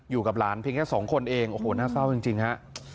อยู่กับหลานเพียงแค่สองคนเองโอ้โหน่าเศร้าจริงฮะ